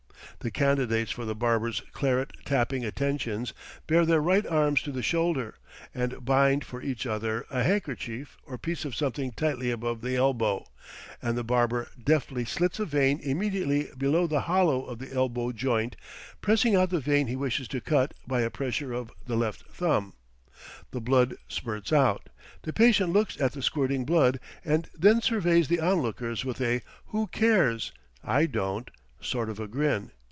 The candidates for the barber's claret tapping attentions bare their right arms to the shoulder, and bind for each other a handkerchief or piece of something tightly above the elbow, and the barber deftly slits a vein immediately below the hollow of the elbow joint, pressing out the vein he wishes to cut by a pressure of the left thumb. The blood spurts out, the patient looks at the squirting blood, and then surveys the onlookers with a "who cares? I don't" sort of a grin.